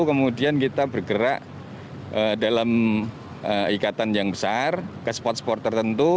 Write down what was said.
kemudian kita bergerak dalam ikatan yang besar ke spot spot tertentu